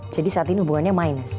saat ini hubungannya minus